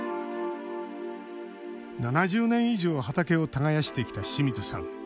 ７０年以上畑を耕してきた清水さん。